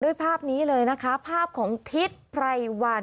ภาพนี้เลยนะคะภาพของทิศไพรวัน